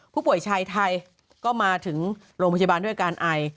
ผู้ป่วยชายไทยก็มาถึงโรงพยาบาลด้วยอาการไอ